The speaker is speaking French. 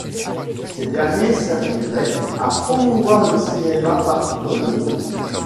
Ces derniers serviraient à promouvoir le cinéma partout dans le monde.